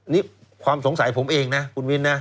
นี่ความสงสัยผมเองนะคุณมิ้นนะ